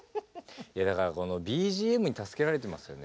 いやだからこのＢＧＭに助けられてますよね。